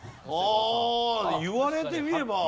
ああ言われてみれば。